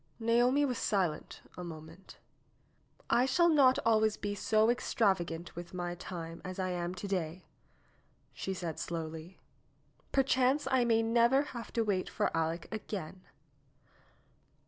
Naomi was silent a moment. "I shall not always be so extravagant with my time as I am to day," she said slowly. "Perchance I may never have to wait for Aleck again."